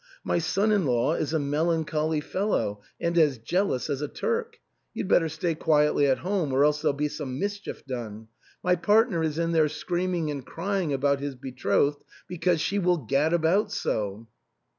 " My son in law is a melancholy fellow and as jealous as a Turk. You'd better stay quietly at home, or else there'll be some mischief done. My partner is in there screaming and crying about his be trothed, because she will gad about so."